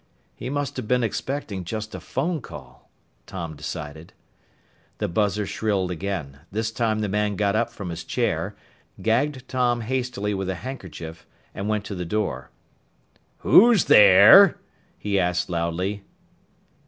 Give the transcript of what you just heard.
"He must have been expecting just a phone call," Tom decided. The buzzer shrilled again. This time the man got up from his chair, gagged Tom hastily with a handkerchief, and went to the door. "Who's there?" he asked loudly.